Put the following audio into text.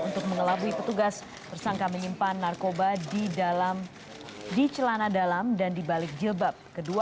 untuk mengelabui petugas tersangka menyimpan narkoba di celana dalam dan di balik jilbab